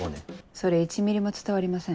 それ１ミリも伝わりません。